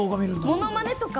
ものまねとか？